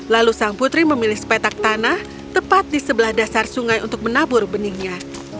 lalu sang putri memilih sepetak tanah tepat di sebelah dasar sungai untuk menabur benihnya